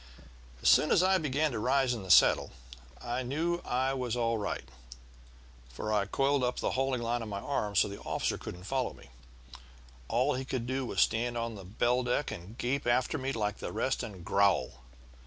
"As soon as I began to rise in the saddle I knew I was all right, for I coiled up the hauling line on my arm so the officer couldn't follow me. All he could do was stand on the bell deck and gape after me like the rest and growl.